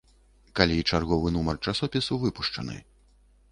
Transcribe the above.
Калі чарговы нумар часопісу выпушчаны.